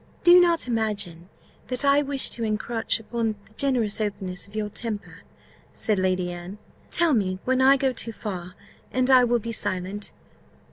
"Do not imagine that I wish to encroach upon the generous openness of your temper," said Lady Anne; "tell me when I go too far, and I will be silent.